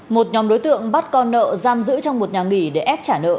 một nhóm đối tượng bắt con nợ giam giữ trong một nhà nghỉ để ép trả nợ